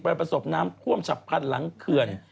ประสบน้ำท่วมฉับพันธุ์หลังเขื่อน